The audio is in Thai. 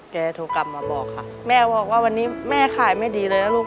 โทรกลับมาบอกค่ะแม่บอกว่าวันนี้แม่ขายไม่ดีเลยนะลูก